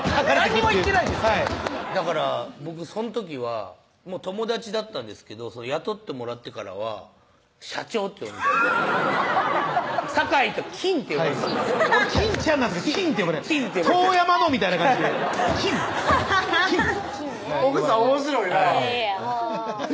何にも言ってないですだから僕その時は友達だったんですけど雇ってもらってからは「社長」って呼んで「坂井」と「金」って呼ばれてたんで俺金ちゃんなんですけど「金」って呼ばれて「遠山の」みたいな感じで「金」「金」奥さんおもしろいなぁいやいや